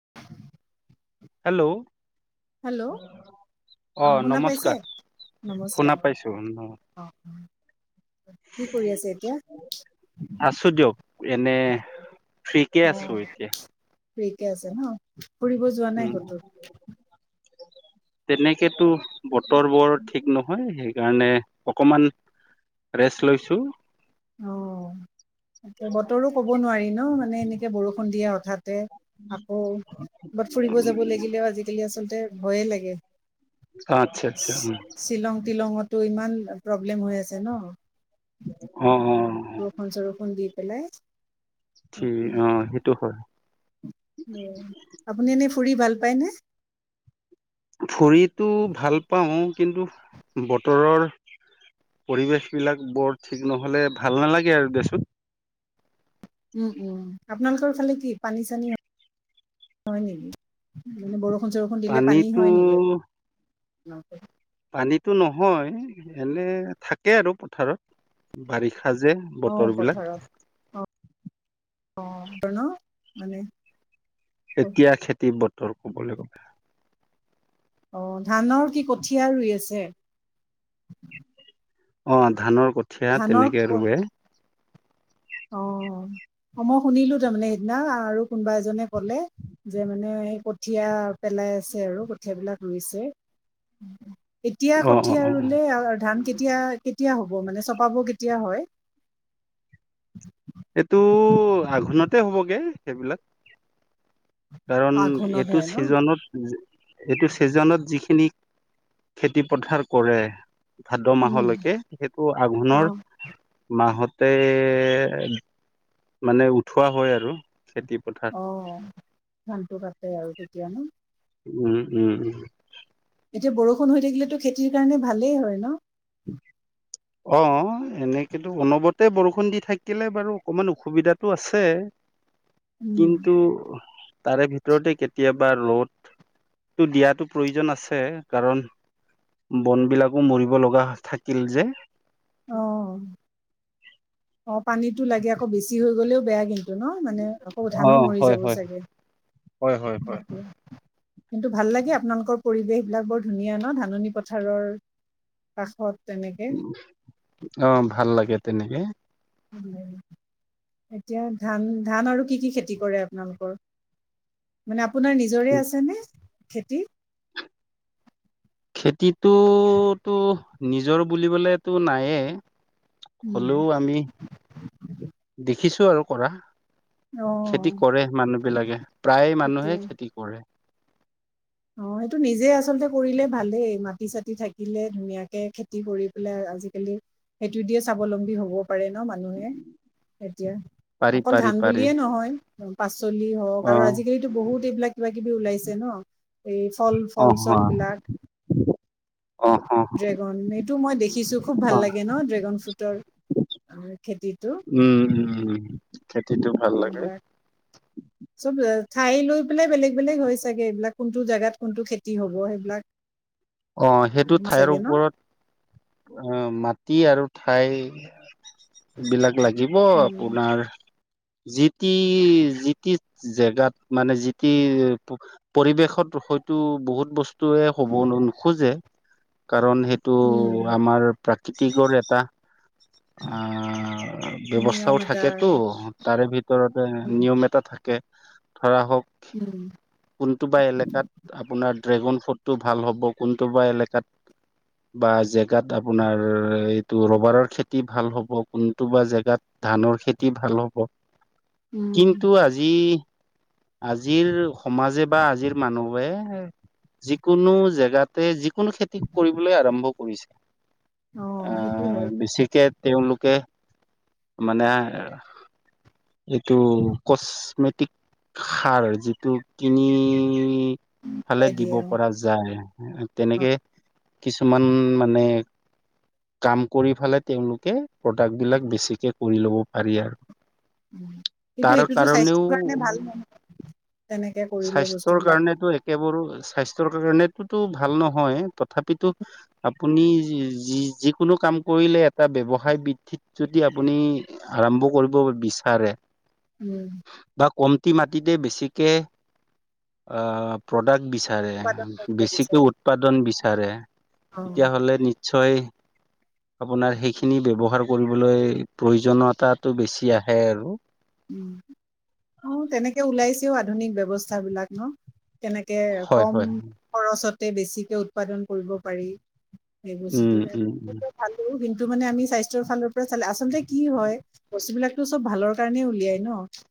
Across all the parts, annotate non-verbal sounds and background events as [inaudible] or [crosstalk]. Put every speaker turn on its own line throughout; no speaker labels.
[inaudible]
Hello.
Hello
অ'
শুনা পাইছে
নমস্কাৰ
নমস্কাৰ
শুনা পাইছোঁ।
অ অ কি কৰি আছে এতিয়া
আছোঁ দিয়ক এনে। ঠিকে আছোঁ এতিয়া।
দেৰীকে আছে ন' ফুৰিব যোৱা
উম
নাই কতো।
তেনেকেতো বতৰ বৰ ঠিক নহয় সেইকাৰণে অকণমান ৰেষ্ট লৈছো।
অ' তাকে বতৰো কব নোৱাৰি ন' মানে এনে বৰষুণ দিয়ে হঠাতে। আকৌ কৰবাত ফুৰিব যাব লাগিলেও আজিকালি আচলতে ভয়ে লাগে।
আচ্ছা আচ্ছা
শ্বিলং, তিলঙত। ত' ইমান প্ৰব্লেম হৈ আছে ন'
অ অ
বৰষুণ-চৰষুণ দি পেলে
থ্ৰী অ' সেইটো হয়।
আপুনি এনেই ফুৰি ভাল পায়নে?
ফুৰিতো ভাল পাও কিন্তু বতৰৰ পৰিৱেশ বিলাক বৰ ঠিক নহ'লে ভাল নালাগে আৰু দেচোন।
উম, উম আপোনালোকৰ ফালে কি পানী-চানী। হয় নেকি, মানে বৰষুণ-চৰষুণ দিলে পানী
পানীতো
হয় নেকি? [unintelligible]
পানীতো নহয় এনে থাকে আৰু পথাৰত বাৰিষা সাজে
অ
বতৰ বিলাক
পথাৰত অ অ' বতৰ ন' মানে
এতিয়া খেতি বতৰ ক'বলৈ গ'লে।
অ ধানৰ কি কঠীয়া ৰুই আছে?
অহ ধানৰ কঠীয়া
ধানৰ
তেনেকে ৰুৱে।
অ অ মই শুনিলো তাৰ মানে সেইদিনা আৰু কোনোবা এজনে কলে। যে মানে সেই কঠীয়া পেলাই আছে আৰু কঠীয়াবিলাক ৰুইছে। এতিয়া
অ অ
কঠীয়া
অ অ
ৰুলে আৰু ধান কে। এতিয়া কেতিয়া হ'ব মানে চপাব কেতিয়া হয়?
এইটো আঘোণতে হ'বগে সেইবিলাক। কাৰণ
আঘোণত
এইটো
হয় ন
ছিজনত। এইটো ছিজনত যিখিনি খেতি পথাৰ কৰে। ভাদ
উম
মাহলৈকে সেইটো
অ
আঘোণৰ মাহত। তাতে মানে উঠোৱা হয় আৰু। খেতি পথাৰ
অ ধানটো কাতে আৰু তেতিয়া নো।
উম উম উম
এতিয়া বৰষুণ হৈ থাকিলেটো খেতিৰ কাৰণে ভালেই হয় ন।
অ এনেকেতো অনবৰতে বৰষুণ দি থাকিলে বাৰু অকমান অসুবিধাটো আছে।
উম
কিন্তু। তাৰে ভিতৰতে কেতিয়াবা ৰ'দটো দিয়াটো প্ৰয়োজন আছে কাৰণ। বন বিলাকো মৰিব লগা থাকিল যে।
অ অ পানীতো লাগে আকৌ বেছি হৈ গ'লেও বেয়া কিন্তু। নহ মানে আকৌ
অ
ধানো মৰি
হয়
যাব
হয়
চাগে।
হয় হয় হয়।
কিন্তু ভাল লাগে আপোনালোকৰ পৰিৱেশ বিলাক বৰ ধুনীয়া ন ধাননি পথাৰৰ কাষত তেনেকে
অ ভাল লাগে তেনেকে
[unintelligible] এতিয়া ধান ধান আৰু কি কি খেতি কৰে আপোনালোকৰ মানে আপোনাৰ নিজৰে আছেনে খেতি
খেতিটোতো নিজৰ বুলিবলেতো নায়ে হলেও আমি দেখিছো আৰু কৰা
অ
খেতি কৰে মানুহ বিলাকে প্ৰায় মানুহে
এতিয়া
খেতি কৰে
অ সেটো নিজে আচলতে কৰিলে ভালেই মাটি চাটি থাকিলে ধুনীয়াকে খেতি কৰি পেলাই আজিকালি সেইটো দিয়ে স্বাৱলম্বী হ'ব পাৰে ন মানুহে এতিয়া
পাৰি
অকল
পাৰি
ধান
পাৰি
বুলিয়ে নহয় চলি হওক
অ
আৰু আজিকালিতো বহুত এইবিলাক কিবা কিবি ওলাইছে ন এই ফল
অ
ফল চল
হ
বিলাক
অ অ
ড্ৰেগন এইটো মই দেখিছোঁ খুব ভাল
অ
লাগে ন ড্ৰেগন ফ্ৰোটৰ
উম উম খেতিটো ভাল লাগে
সেইবিলাক চব ঠাই লৈ পেলাই বেলেগ বেলেগ হয় চাগে এইবিলাক কোনটো জেগাত কোনটো খেতি হব সেইবিলাক
অ সেইটো ঠাইৰ
চাগে ন
ওপৰত অ মাট টি আৰু ঠাই বিলাক লাগিব
উম
আপোনাৰ যিটি যিটি জেগাত মানে যি টি পৰিৱেশত হ য়টো বহুত বস্তুে হব নোখোজে কাৰণ সেইটো
উম
আমাৰ প্ৰাকৃতিকৰ এটা আহ
নিয়ম
ব্যৱস্থাও
এটা
থাকেতো
আৰু।
তাৰে ভিতৰতে
উম
নিয়ম এটা থাকে ধৰা হওঁক,
উম
কোনটোবা এলেকাত আপোনাৰ ড্ৰেগন ফ্ৰুটটো ভাল হ'ব কোনটোবা এলেকাত বা জেগাত আপোনাৰ এই টো ৰবাৰৰ খেতি ভাল হ'ব, কোনটোবা জেগাত ধানৰ খেতি ভাল হ'ব।
উম
কিন্তু আজি আজিৰ সমাজে বা আজিৰ মানুৱে যিকোনো জেগাতে, যিকোনো খেতি কৰিবলৈ আৰম্ভ কৰিছে।
অ সেইটো
আহ,
হয়
বেছিকে তেওঁলোকে মানে। এইটো কচমেটিক সাৰ যিটো কিনি
ওলাই
ফালে দিব
দিয়ে অ
পৰা যায় তেনেকে। কিছুমান মানে কাম কৰি ফালে তেওঁলোকে প্ৰডাক্ট বিলাক বেছিকে কৰি লব পাৰি আৰু।
কিন্তু
তাৰ
সেইটোতো স্বাস্থ্যৰ কাৰণে
কাৰণেও
ভাল নহয়। তেনেকে কৰিলে
স্বাস্থ্যৰ
বস্তুবিলাক
কাৰণেতো একেবোৰো স্বাস্থ্যৰ কাৰণেতোতো ভাল নহয় তথাপিতো আপুনি যি যিকোনো কাম কৰিলে এটা ব্যৱসায় বৃদ্ধিত যদি আপুনি আৰম্ভ কৰিব বিচাৰে।
উম,
বা কমটি মাটিতে বেছিকে অহ প্ৰডাক্ট বি বিচাৰে
উৎপাদন কৰিব
বেছিকে
বিচাৰে।
উৎপাদন বিচাৰে,
অ',
তেতিয়াহলে নিশ্চয় আপোনাৰ সেইখিনি ব্যৱহাৰ কৰিবলৈ প্ৰয়োজনীয়তাটো বেছি আহে আৰু।
উম, অ' তেনেকে ওলাইছেও আধুনিক ব্যৱস্থাবিলাক ন। কেনেকে
হয়
কম
হয়
খৰচতে বেছিকে উৎপাদন কৰিব পাৰি। সেই বস্তুটো
উম উম উম
ভালো কিন্তু টো মানে আমি স্বাস্থ্যৰ ফালৰ পৰা চালে আচলতে কি হয় বস্তু বিলাকো চব ভালৰ কাৰণে উলিয়াই ন।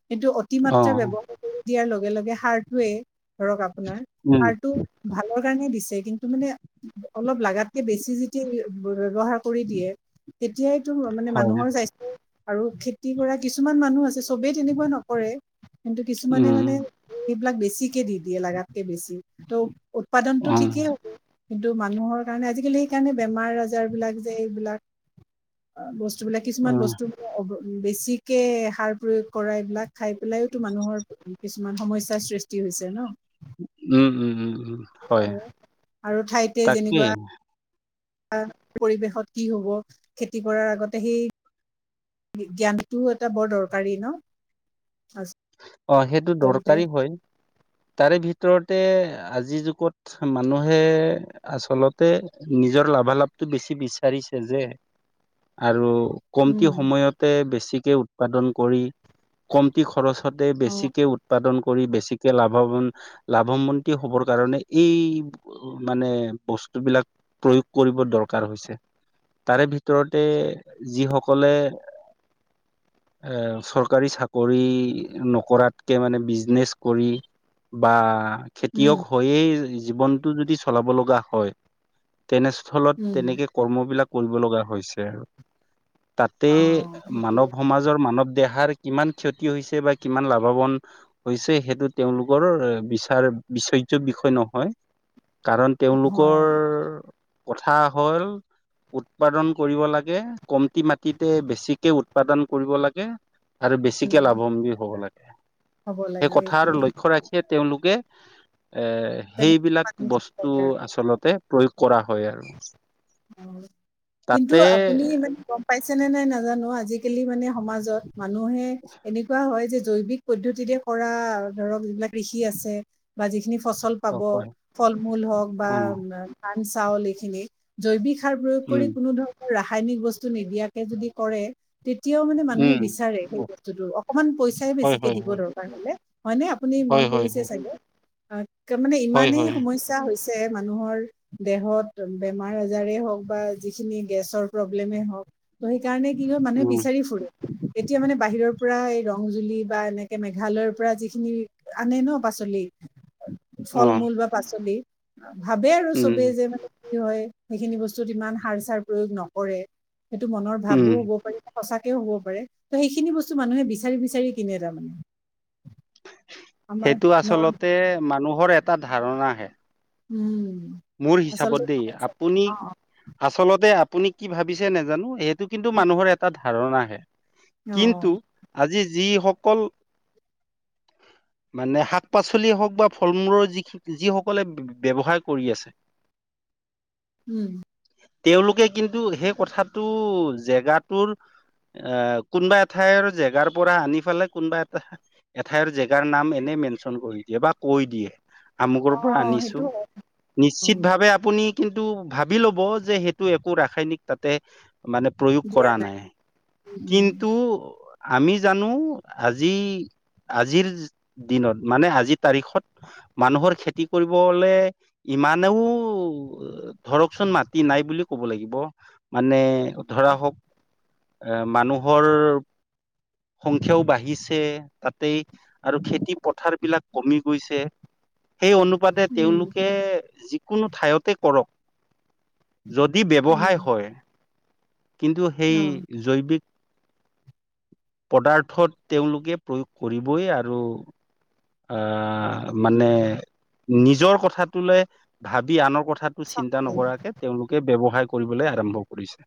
কিন্তটো
অ
অতিমাত্ৰা ব্যৱহাৰ কৰি দিয়াৰ লগে-লগে সাৰটয়ে ধৰক, আপোনাৰ
উম
সাৰটো ভালৰ কাৰণে দিছে। কিন্তু মানে অলপ লাগাতকে বেছি যেতিয়া ব্যৱহাৰ কৰি দিয়ে তেতিয়াই। মানে
হয়
মানুহৰ স্বাস্থ আৰু খেতি কৰা কিছুমান মানুহ আছে চবেই তেনেকুৱা নকৰে। কিন্তু কিছুমানে
উম
মানে এইবিলাক বেছিকে দি দিয়ে লাগাতকে বেছি ত'। উৎপাদনতটো
অ
ঠিকেই হ'ব। কিন্তু মানুহৰ কাৰণে আজিকালি এইকাৰণে বেমাৰ আজাৰ বিলাক যে এইবিলাক বস্তু যিবিলাক
অ
কিছুমান বস্তু বেছিক কে সাৰ প্ৰয়োগ কৰা এইবিলাক খাই পেলাইওতো মানুহৰ কিছুমান সমস্যাৰ সৃষ্টি হৈছে ন।
উম-উম-উম-উম, হয়
আৰু ঠাইতে
তাকেই।
যেনেকুৱা পৰিৱেশত কি হব খেতি কৰাৰ আগতে সেই। জ্ঞানটোও এটা বৰ দৰকাৰী ন।
অ' সেইটো
আচলতে
দৰকাৰী হয় তাৰে ভিতৰত ভিতৰতে আজিৰ যুগত মানুহে আচলতে নিজৰ লাভালাভ। বেছি বিচাৰিছে যে আৰু। কমতি
উম
সময়তে বেছিকে উৎপাদন কৰি কমতি খৰচ। থ
অ
বেছিকৈ উৎপাদন কৰিব। বেছিকে লাভা লাভমন্তি হ'বৰ কাৰণে এই মানে বস্ত বস্তু বিলাক প্ৰয়োগ কৰিব দৰকাৰ হৈছে। তাৰে ভিতৰতে যিসকলে এ চৰকাৰী চাকৰি নকৰাতকে মানে বিজনেচ কৰি বা
উম
খেতিয়ক হৈয়েই। জীৱনটো যদি চলাব লগা হয় তেনেস্থলত
উম
তেনেকে কৰ্মবলাক কৰিব লগা হৈছে আৰু তাতে
অ
মানৱ
সেইটোৱে
সমাজৰ মানৱ দেহাৰ। কিমান ক্ষতি হৈছে বা। কিমান লাভৱান হৈছে সেইটো তেওঁলোকৰ বিচাৰ বিচৰজ্য বিষয় নহয়। কাৰণ তেওঁলোকৰ
হয়
কথা হল উৎপাদন কৰিব লাগে কমতি মাটিতে বেছিকে উৎপাদন কৰিব লাগে। আৰু বেছিকে
উম
লাভম্বী হব লাগে
হ'ব
সেই
লাগে
কথাৰ
সেইটোৱে
লক্ষ্য। ৰাখি তেওঁলোকে এই
তেনেকে
সেইবিলাক বস্তু
মানুহ
আচলতে প্ৰয়োগ কৰা হয় আৰু
কিন্তু
তাতে
আপুনি মানে গম পাইছে নে নাই না নাজানো আজিকালি মানে সমাজত মানুহে এনেকুৱা হয় যে জৈৱিক পদ্ধতিৰে কৰা ধৰক যিবিলাক কৃষি আছে বা যিখিনি ফচল
অ
পাব।
হয়
ফল-মূল হওঁক বা
অ
ধান, চাউল বা যিখিনি জৈৱিক সাৰ প্ৰয়োগ কৰি
উম
কোনো ধৰণৰ ৰাসায়নিক বস্তু নিদিয়াকে যদি কৰে তেতিয়াও মানে মানুহে
উম
বিচাৰে সেই বস্তুটো, অকমান পইচাই
হয়
বেছিকে
হয়
দিব
হয়
দৰকাৰ হ'লে। হয়নে আপুনি
হয়
মন
হয়
কৰিছে
হয়
চাগে, একদম মানে
হয়
ইমানেই
হয়
সমস্যা হৈছে যে মানুহৰ, দেহত বেমাৰ আজাৰে হওক বা যিখিনি গেছৰ প্ৰব্লেমে হওক। ত' সেইকাৰণে কি হয় মানুহে
উম
বিচাৰি ফুৰে। এতিয়া মানে বাহিৰৰ পৰা এই ৰংজুলি বা এনেকে মেঘালয়ৰ পৰা যিখিনি আনে ন বা পাচলি,
অ
ফল মূল বা পাচলি। ভাবে আৰু
উম
চবেই যে মানে কি হয় সেইখিনি বস্তুত ইমান সাৰ চাৰ প্ৰয়োগ নকৰে। সেইটো মনৰ
উম
ভাবোঁ হব পাৰি। সঁচাকেওহ'ব পাৰে, ত' সেইখিনি বস্তু মানুহে বিচাৰি বিচাৰি কিনে তাৰমানে। আমাৰ
সেইটো
ন
আচলতে মানুহৰ এটা ধাৰণা হে।
উম,
মোৰ হিচাপত
আচলতে
দে, আপুনি,
অ অ
আচলতে আপুনি কি ভাবিছে নাজানোঁ সে টো কিন্তু মানুহৰ এটা ধাৰণাহে, কিন্তু
অ
আজি যিসকল মানে শাক পাচলি হওক বা ফল মূলৰ যি-যিসকলে ব্যৱসায় কৰি আছে।
উম,
তেওঁলোকে কিন্তু সেই কথাটো জেগাটোৰ অ', কোনোবা এঠাইৰ জেগাৰ পৰা আনি ফালে কোনোবা এটা এঠাইৰ জেগাৰ নাম এনে মেনচন কৰি দিয়ে বা কৈ দিয়ে, আমুকৰ
অ
পৰা
সেইটো
আনিছোঁ।
হয় অ
চিত ভাৱে আপুনি কিন্তু ভাবি ল'ব যে সেইটো একো ৰাসায়নিক তাতে মানে প্ৰয়োগ কৰা নাই,
উম
কিন্তু আমি জানো আজি আজিৰ দিনত মানে আজিৰ তাৰিখত মানুহৰ খেতি কৰিবলে ইমানেও ধৰকচোন মাটি নাই বুলি ক'ব লাগিব মানে ধৰ ধৰা হওঁক এ মানুহৰ সংখ্যাও বাঢ়িছে তাতেই আৰু খেতি পথাৰ বিলাক কমি গৈছে।
[inaudible]
সেই অনুপাতে
উম
তেওঁলোকে যিকোনো ঠাইতে কৰক। যদি
উম,
ব্যৱসায় হয়। কিন্তু সেই
অ
জৈৱিক পদাৰ্থত তেওঁলোকে প্ৰয়োগ কৰিবই আৰু আ' মানে নিজৰ কথাটোলৈ ভাবি আনক কথা টো চিন্তা
চাকৰি
নকৰাকে তেওঁলোকে ব্যয়ৱসায় কৰিবলৈ আৰম্ভ কৰিছে।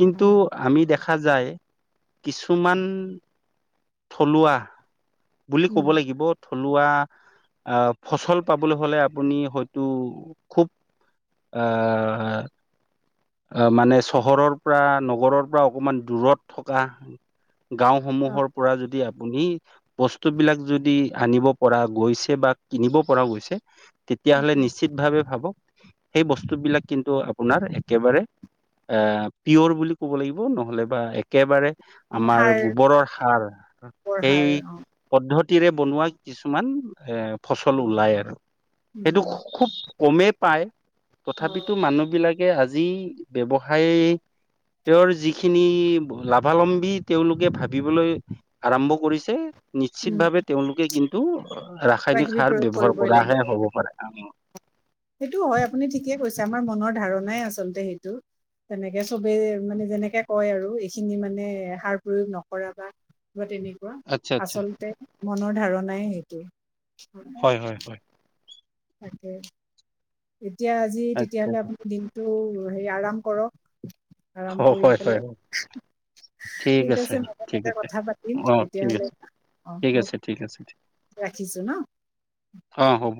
কিন্তু
অ',
আমি দেখ দেখা যায় কিছুমান থলুৱা বুলি
উম
ক'ব লাগিব থলুৱা আ' ফচল পাবলৈ হ'লে আপুনি হয়তো খুব আ' আহ মানে চহৰৰ পৰা নগৰৰ পৰা অকনমান দূৰত থকা গাঁও
অ
সমূহৰ পৰা যদি বস্তু বিলাক যদি আনিব পৰা গৈছে বা কিনিব পৰা গৈছে তেতিয়াহ'লে নিশ্চিত ভাৱে ভাবক সেই বস্তুবিলাক কিন্তু আপোনাৰ একেবাৰে অ পিয়ৰ বুলি ক'ব লাগিব নহ'লে বা একেবাৰে আমাৰ
সাৰ
গোবৰৰ সাৰ
বৰ
সেই
সাৰ অ
পদ্ধতি -তিৰে বনোৱা কিছুমান এ ফচল ওলায় আৰু।
উম
সেইটো
উম
খুব কমেই পায়।
অ
তথাপিতো মানুহ বিলাকে আজি যি ব্যৱসায় তেওঁৰ যিখিনি লাভালম্বী তেওঁলোকে ভাবিবলৈ আৰম্ভ কৰিছে, নিশ্চিত
উম
ভাৱে তেওঁলোকে কিন্তু
কিবা
ৰাসায়নিক
কিবি
সাৰ
প্ৰয়োগ
ব্যৱহাৰ
কৰিবই
কৰাহে
লাগিব
হ'ব
আৰু।
পাৰে।
সেইটো হয়। আপুনি ঠিকেই কৈছে, আমাৰ মনৰ ধাৰণাই আচলতে সেইটো। তেনেকে চবেই মানে যেনেকে কয়, আৰু এইখিনি মানে সাৰ প্ৰয়োগ নকৰা বা বা তেনেক -কুৱা
আচ্ছা আচ্ছা
আচলতে মনৰ ধাৰণাই হেইটো।
হয় হয় হয়
তাকে। এতিয়া আজি
আচ্ছা
তেতিয়াহলে আপোনি দিনটো দিনটো হে আৰাম কৰক। আৰাম
হয়
কৰি
হয় হয়
পেলাই ঠিক আছে। মাজে মাজে কথা পাতিম
অ ঠিক
তেতিয়াহ'লে।
আছে
অ'
ঠিক
অ'।
আছে ঠিক আছে
ৰাখিছো ন'হ?
অ হ'ব।